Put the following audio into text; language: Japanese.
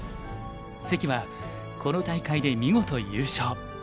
関はこの大会で見事優勝！